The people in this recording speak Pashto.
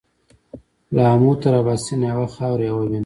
له امو تر اباسينه يوه خاوره يوه وينه.